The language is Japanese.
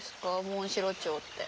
モンシロチョウって。